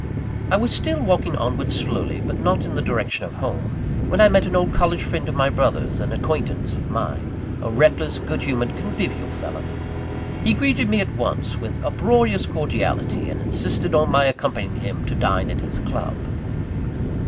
I was still walking onward slowly, but not in the direction of home, when I met an old college friend of my brother's, and an acquaintance of mine a reckless, good humoured, convivial fellow. He greeted me at once, with uproarious cordiality; and insisted on my accompanying him to dine at his club.